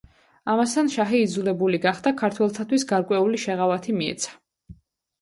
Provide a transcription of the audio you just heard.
ამასთან შაჰი იძულებული გახდა ქართველთათვის გარკვეული შეღავათი მიეცა.